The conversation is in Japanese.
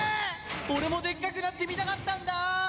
俺もでっかくなってみたかったんだ！